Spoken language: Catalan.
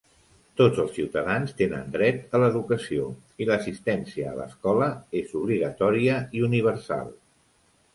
Tots els ciutadans tenen dret a l'educació i l'assistència a l'escola és obligatòria i universal.